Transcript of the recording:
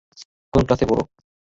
কোন ক্লাসে পড়ো?